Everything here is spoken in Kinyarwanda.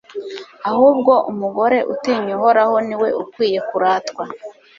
ahubwo umugore utinya Uhoraho ni we ukwiye kuratwa